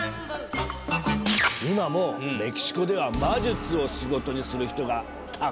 今もメキシコでは魔術を仕事にする人がたくさんいるよ。